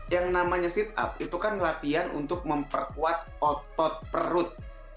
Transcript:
yang namanya sit up itu kan latihan untuk memperkuat otot perut